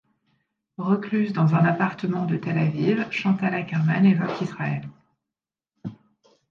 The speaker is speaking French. Recluse dans un appartement à Tel Aviv, Chantal Akerman évoque Israël.